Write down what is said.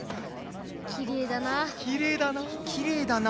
きれいだなあ。